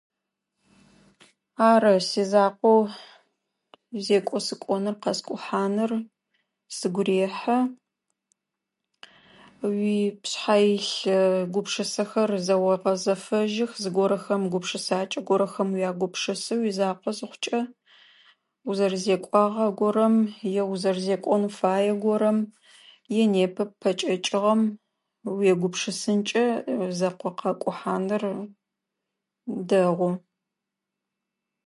Ары, сизакъоу зекӏо сыкӏоныр, къэскӏухьаныр сыгу рехьы. Уи пшъхьэ илъ гупшысэхэр зэогъэзэфэжьых, зыгорэхэм гупшысакӏэ горэхэм уягупшысэ уизакъо зыхъукӏэ. Узэрэзекӏуагъэ горэм, е узэрэзекӏон фае горэм, е непэ пэкӏэкӏыгъэм уегупшысэнкӏэ, зекӏо къэкӏухьаныр дэгъу.